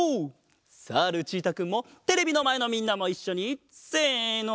さあルチータくんもテレビのまえのみんなもいっしょにせの。